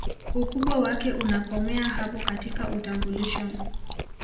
Ukubwa wake unakomea hapo katika utambulisho